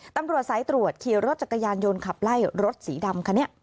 ตำรวจสายตรวจขี่รถจักรยานยนต์ขับไล่รถสีดำคันนี้